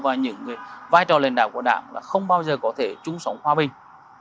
và những vai trò lãnh đạo của đảng là không bao giờ có thể chung sống hòa bình